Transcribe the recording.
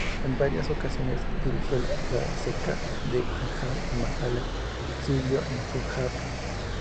En varias ocasiones dirigió la ceca de Akbar en Bengala y sirvió en Punyab.